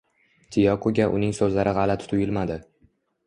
Tiyokoga uning so`zlari g`alati tuyulmadi